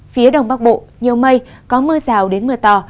phía đông bắc bộ nhiều mây có mưa rào đến mưa to